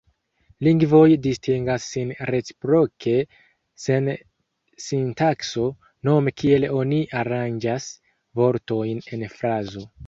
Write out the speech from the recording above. Lingvoj distingas sin reciproke per sintakso, nome kiel oni aranĝas vortojn en frazo.